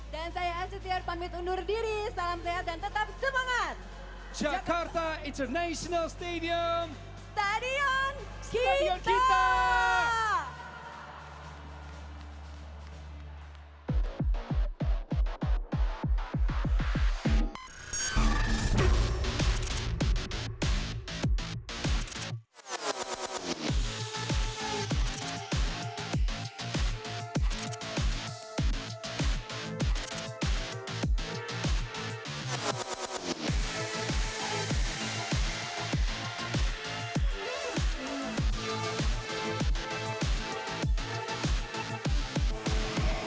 dan saya asyutir panmit undur diri salam sehat dan tetap semangat